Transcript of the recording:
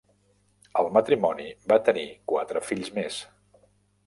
El matrimoni va tenir quatre fills més: